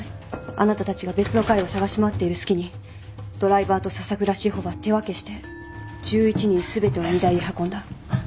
あなたたちが別の階を捜し回っている隙にドライバーと笹倉志帆は手分けして１１人全てを荷台へ運んだ。